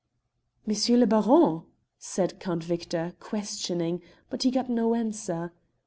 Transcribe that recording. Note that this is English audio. "M. le Baron?" said Count Victor, questioning, but he got no answer.